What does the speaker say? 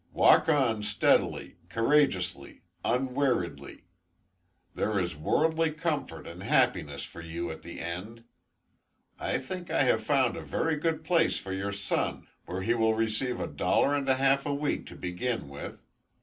Walk on steadily, courageously, unweariedly. There is worldly comfort and happiness for you at the end. I think I have found a very good place for your son, where he will receive a dollar and a half a week to begin with.